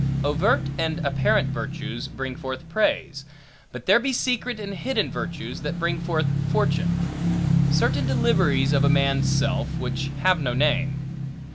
Overt and apparent virtues, bring forth praise; but there be secret and hidden virtues, that bring forth fortune; certain deliveries of a man's self, which have no name.